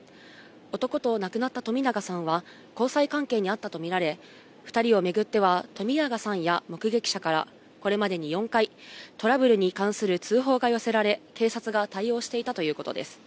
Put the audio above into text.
男と亡くなった冨永さんは交際関係にあったと見られ、２人を巡っては冨永さんや目撃者から、これまでに４回、トラブルに関する通報が寄せられ、警察が対応していたということです。